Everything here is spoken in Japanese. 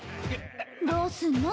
どうすんの？